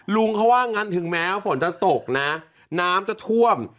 ลุงเขาว่างั้นถึงแม้ฝนจะตกนะน้ำจะท่วม